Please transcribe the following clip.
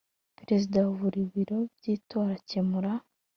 Perezida wa buri biro by itora akemura